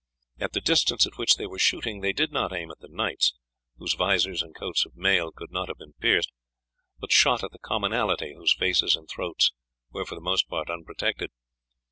At the distance at which they were shooting they did not aim at the knights, whose vizors and coats of mail could not have been pierced, but shot at the commonalty, whose faces and throats were for the most part unprotected.